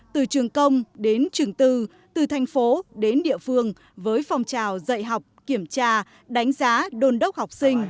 từ trường công đến trường tư từ thành phố đến địa phương với phong trào dạy học kiểm tra đánh giá đôn đốc học sinh